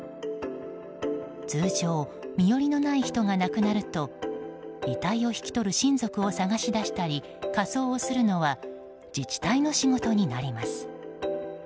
通常身寄りのない人が亡くなると遺体を引き取る親族を探し出したり火葬をするのは自治体の仕事になります。